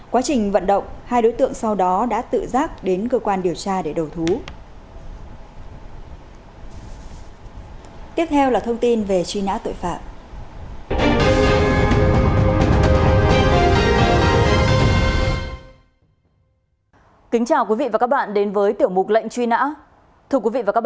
quá trình vận động hai đối tượng sau đó đã tự giác đến cơ quan điều tra để đầu thú